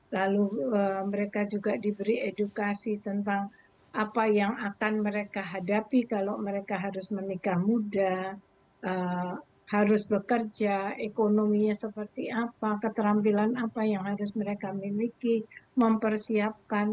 lalu mereka juga diberi edukasi tentang apa yang akan mereka hadapi kalau mereka harus menikah muda harus bekerja ekonominya seperti apa keterampilan apa yang harus mereka miliki mempersiapkan